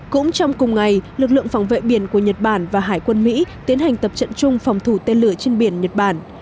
cũng trong cùng ngày lực lượng phòng vệ biển của nhật bản và hải quân mỹ tiến hành tập trận chung phòng thủ tên lửa trên biển nhật bản